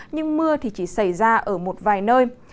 nhưng mưa thì chỉ xảy ra ở một vài nơi